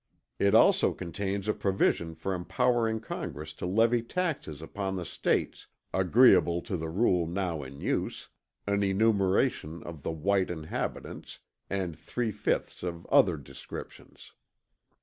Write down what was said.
It also contains a provision for empowering Congress to levy taxes upon the States, agreeable to the rule now in use, an enumeration of the white inhabitants, and three fifths of other descriptions.